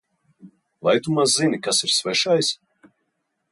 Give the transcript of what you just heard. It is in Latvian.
Vai tu maz zini, kas ir svešais?